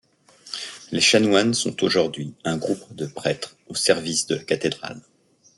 Les chanoines sont aujourd'hui un groupe de prêtres au service de la cathédrale.